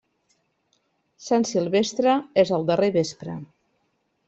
Sant Silvestre és el darrer vespre.